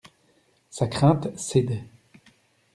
Sa crainte cédait.